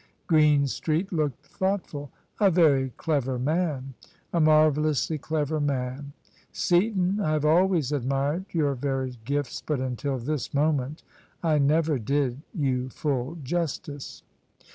Greenstreet looked thoughtful. " A very clever manl A marvellously clever man! Seaton, I have always admired your varied gifts, but until this moment I never did you full justice."